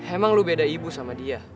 emang lo beda ibu sama dia